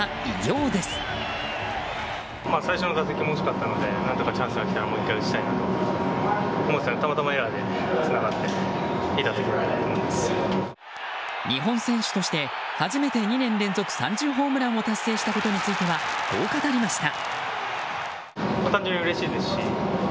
日本選手として初めて２年連続３０ホームランを達成したことについてはこう語りました。